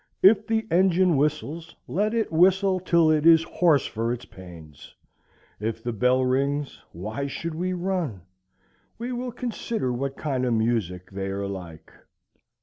If the engine whistles, let it whistle till it is hoarse for its pains. If the bell rings, why should we run? We will consider what kind of music they are like.